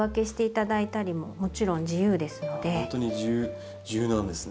ほんとに自由なんですね。